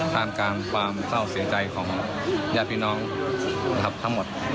ท่ามกลางความเศร้าเสียใจของญาติพี่น้องนะครับทั้งหมด